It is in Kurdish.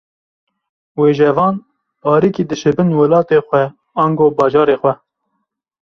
Wêjevan, parîkî dişibin welatê xwe ango bajarê xwe